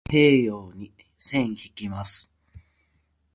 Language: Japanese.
太平洋に線引きます。